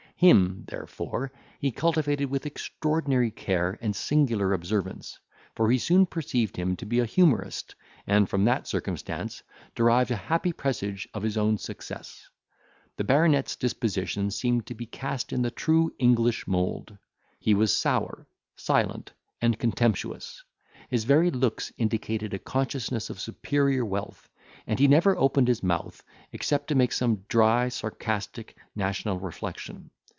Him, therefore, he cultivated with extraordinary care and singular observance; for he soon perceived him to be a humourist, and, from that circumstance, derived an happy presage of his own success. The baronet's disposition seemed to be cast in the true English mould. He was sour, silent, and contemptuous; his very looks indicated a consciousness of superior wealth; and he never opened his mouth, except to make some dry, sarcastic, national reflection.